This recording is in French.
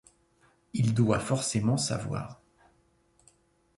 Il doit forcément savoir.